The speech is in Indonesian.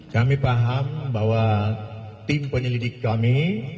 kami paham bahwa tim penyelidik kami